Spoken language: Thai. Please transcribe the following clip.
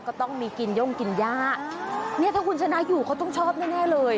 ก็ต้องมีกินย่งกินย่าเนี่ยถ้าคุณชนะอยู่เขาต้องชอบแน่แน่เลย